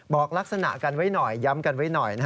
บอกลักษณะกันไว้หน่อยย้ำกันไว้หน่อย